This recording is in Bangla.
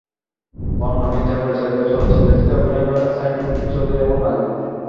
বন্যা মির্জা পরিচালিত চলচ্চিত্রটিতে অভিনয় করেন সাইফউদ-দীন চৌধুরী এবং নাজিম উদ্দিন আলম।